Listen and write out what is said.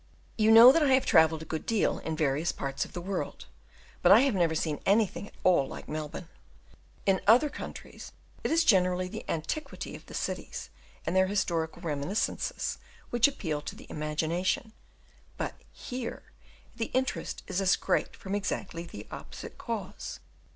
You know that I have travelled a good deal in various parts of the world, but I have never seen anything at all like Melbourne. In other countries, it is generally the antiquity of the cities, and their historical reminiscences, which appeal to the imagination; but here, the interest is as great from exactly the opposite cause.